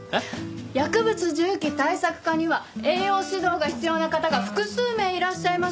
薬物銃器対策課には栄養指導が必要な方が複数名いらっしゃいます。